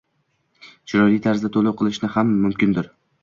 “chiroyli tarzda to‘lov” qilinishi ham mumkindir